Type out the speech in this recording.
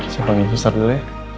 siapa nginstrasi dulu ya